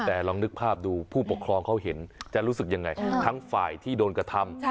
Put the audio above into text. แต่ลองนึกภาพดูผู้ปกครองเขาเห็นจะรู้สึกยังไงทั้งฝ่ายที่โดนกระทำ